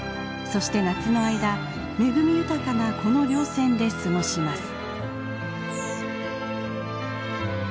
そして夏の間恵み豊かなこのりょう線で過ごします。